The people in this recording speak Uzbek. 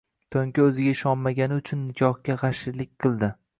To’nka o’ziga ishonmagani uchun niholga g’ashlik qiladi.